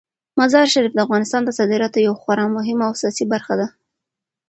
مزارشریف د افغانستان د صادراتو یوه خورا مهمه او اساسي برخه ده.